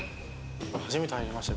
初めて入りました